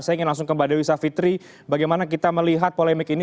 saya ingin langsung ke mbak dewi savitri bagaimana kita melihat polemik ini